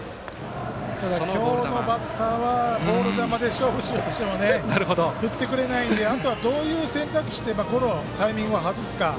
今日のバッターはボール球で勝負しようとしても振ってくれないのでどういう選択肢でゴロ、タイミングを外すか。